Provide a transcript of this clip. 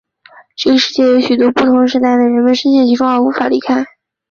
这个世界也有许多不同时代的人们身陷其中而无法离开。